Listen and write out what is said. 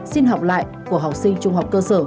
xin học lại của học sinh trung học cơ sở